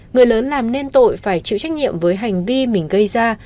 người lớn làm nên tội phải chịu trách nhiệm với hành vi mình gây ra